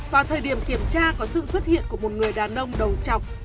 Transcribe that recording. vào thời điểm kiểm tra có sự xuất hiện của một người đàn ông đầu chọc